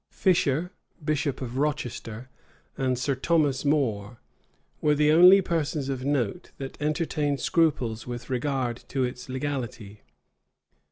Fisher, bishop of Rochester, and Sir Thomas More, were the only persons of note that entertained scruples with regard to its legality.